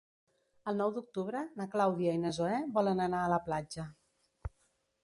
El nou d'octubre na Clàudia i na Zoè volen anar a la platja.